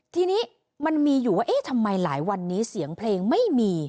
ทีนี้มันมีอยู่ว่าเอ๊ะทำไมหลายวันนี้เสียงเพลงไม่มี